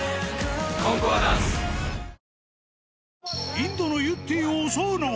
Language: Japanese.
インドのゆってぃを襲うのは。